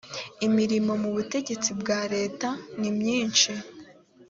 imirimo mu butegetsi bwa leta nimyinshi